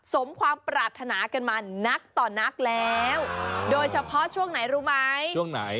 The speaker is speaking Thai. สมความปรารถนากันมานักต่อนักแล้วโดยเฉพาะช่วงไหนรู้ไหมช่วงไหน